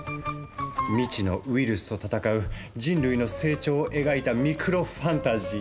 未知のウイルスと戦う人類の成長を描いたミクロファンタジー。